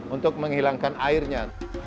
untuk menghilangkan airnya